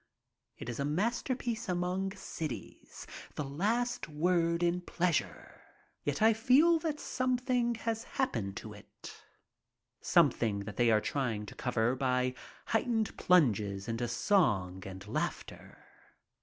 It is a masterpiece among cities, the last word in pleasure. Yet I feel that something has hap pened to it, something that they are trying to cover by heightened plunges into song and laughter.